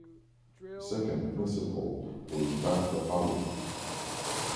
The second principal was Baxter Holly.